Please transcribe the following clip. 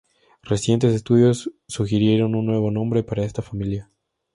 Recientes estudios sugirieron un nuevo nombre para esta familia.